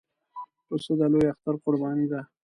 پسه د لوی اختر قرباني ده.